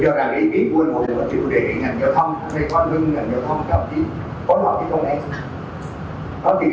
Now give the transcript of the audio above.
chẳng hạn gì có lòng cái công ác